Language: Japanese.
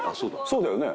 そうだよね？